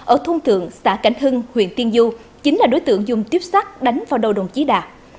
ở thung thượng xã cảnh hưng huyện tiên du chính là đối tượng dùng tiếp sát đánh vào đầu đồng chí đạt